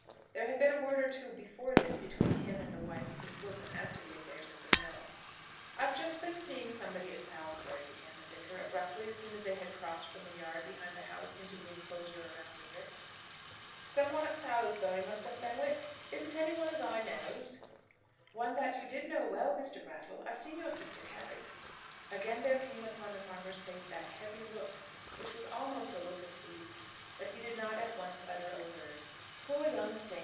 There had been a word or two before this between him and the wife of his bosom as to the affairs of the mill. "I've just been seeing somebody at Salisbury," began the Vicar, abruptly, as soon as they had crossed from the yard behind the house into the enclosure around the ricks. "Some one at Salisbury, Muster Fenwick? Is it any one as I knows?" "One that you did know well, Mr. Brattle. I've seen your sister Carry." Again there came upon the farmer's face that heavy look, which was almost a look of grief; but he did not at once utter a word. "Poor young thing!"